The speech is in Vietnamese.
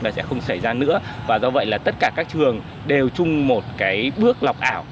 là sẽ không xảy ra nữa và do vậy là tất cả các trường đều chung một cái bước lọc ảo